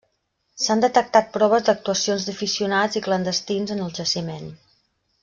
S'han detectat proves d'actuacions d'aficionats i clandestins en el jaciment.